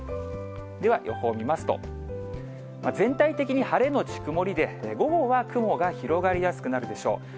では、予報見ますと、全体的に晴れ後曇りで、午後は雲が広がりやすくなるでしょう。